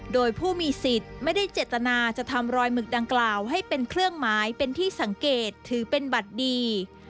โดยผู้มีสิทธิ์ไม่ได้เจตนาจะทำรอยหมึกดังกล่าวให้เป็นเครื่องหมายเป็นที่สังเกตถือเป็นบัตรดี